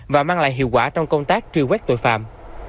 và mang lại hiệu quả trong công tác truy quét tội phạm